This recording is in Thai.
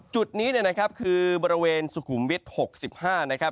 จุดนี้เนี่ยนะครับคือบริเวณสุขุมวิทย์๖๕นะครับ